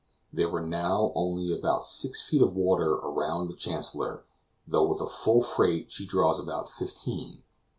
There were now only about six feet of water around the Chancellor, though with a full freight she draws about fifteen.